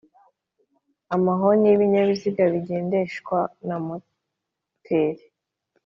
Amahoni y'ibinyabiziga bigendeshwa na moteri